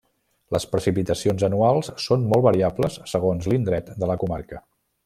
Les precipitacions anuals són molt variables segons l'indret de la comarca.